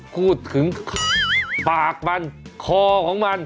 พูดถึงปากมันคอของมัน